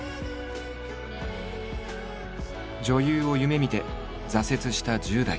女優を夢みて挫折した１０代。